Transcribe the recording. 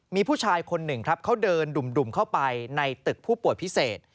มีผู้ชายคนหนึ่งครับเขาเดินดุ่มเข้าไปในตึกผู้ป่วยพิเศษ